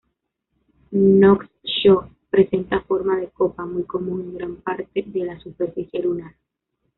Knox-Shaw presenta forma de copa, muy común en gran parte de la superficie lunar.